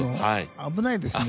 危ないですね。